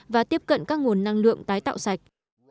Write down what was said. và tiếp cận các nguồn năng lượng tái tạo sạch